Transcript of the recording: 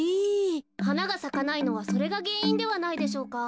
はながさかないのはそれがげんいんではないでしょうか。